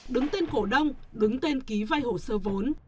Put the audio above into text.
đứng tên cổ đông đứng tên ký vay hồ sơ vốn